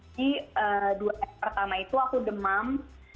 jadi dua hari pertama itu aku demam